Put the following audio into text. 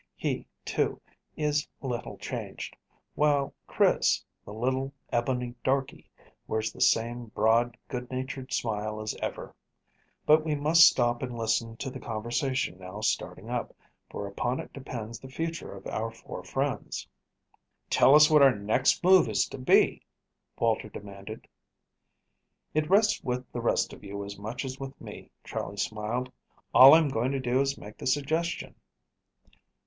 He, too, is little changed, while Chris, the little ebony darkey, wears the same broad, good natured smile as ever. But we must stop and listen to the conversation now starting up, for upon it depends the future of our four friends. "Tell us what our next move is to be," Walter demanded. "It rests with the rest of you as much as with me," Charley smiled. "All I am going to do is to make the suggestion."